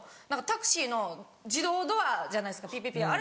何かタクシーの自動ドアじゃないですかピピピ。